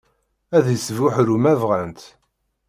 Ad isbuḥru ma bɣant.